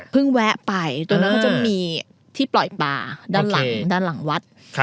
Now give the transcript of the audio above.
เพิ่งแวะไปตรงนั้นเขาจะมีที่ปล่อยป่าด้านหลังวัด